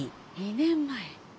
２年前。